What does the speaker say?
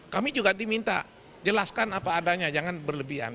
kami juga diminta jelaskan apa adanya jangan berlebihan